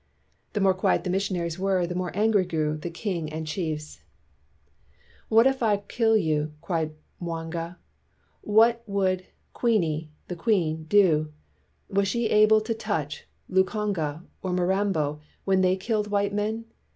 The more quiet the missionaries were, the more angry grew the king and chiefs. 230 STURDY BLACK CHRISTIANS "What if I kill you?" cried Mwanga, "What would Queeni (the Queen) do 1 Was she able to touch Lukonge or Mirambo when they killed white men